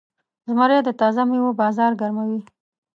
زمری د تازه میوو بازار ګرموي.